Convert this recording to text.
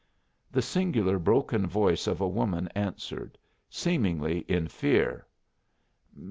The singular broken voice of a woman answered, seemingly in fear.